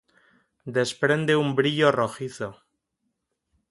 Desprende un brillo rojizo.